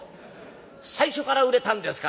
「最初から売れたんですか？」。